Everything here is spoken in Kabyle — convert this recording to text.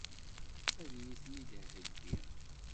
Ad iyi-ten-id-theggi?